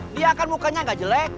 dia kan mukanya nggak jelek